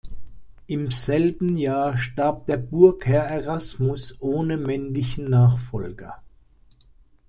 Im selben Jahr starb der Burgherr Erasmus ohne männlichen Nachfolger.